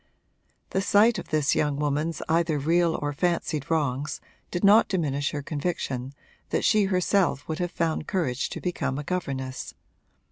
The sight of this young woman's either real or fancied wrongs did not diminish her conviction that she herself would have found courage to become a governess.